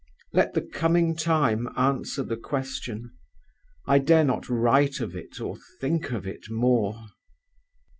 Let the coming time answer the question; I dare not write of it or think of it more.